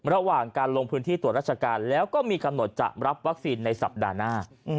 ระหว่างการลงพื้นที่ตรวจราชการแล้วก็มีกำหนดจะรับวัคซีนในสัปดาห์หน้า